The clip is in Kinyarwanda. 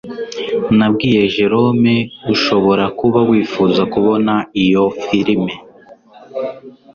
nabwiye jerome ushobora kuba wifuza kubona iyo firime